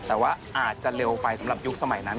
แต่ว่าอาจจะเร็วไปสำหรับยุคสมัยนั้น